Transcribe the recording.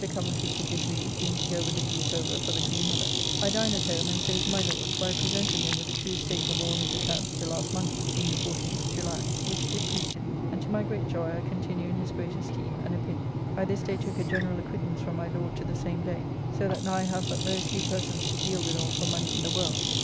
Coventry took his leave, being to go with the Duke over for the Queen Mother. I dined at home, and so to my Lord's, where I presented him with a true state of all his accounts to last Monday, being the 14th of July, which did please him, and to my great joy I continue in his great esteem and opinion. I this day took a general acquittance from my Lord to the same day. So that now I have but very few persons to deal withall for money in the world.